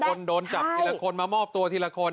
คนโดนจับทีละคนมามอบตัวทีละคน